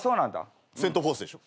セント・フォースでしょ？